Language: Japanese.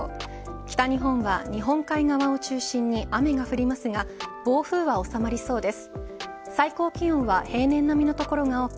北日本は日本海側を中心に雨が降りますが暴風は収まりそうです。